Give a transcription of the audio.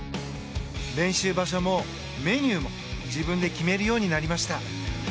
練習場所もメニューも自分で決めるようになります。